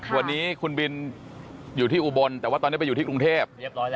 วันนี้คุณบินอยู่ที่อุบลแต่ว่าตอนนี้ไปอยู่ที่กรุงเทพ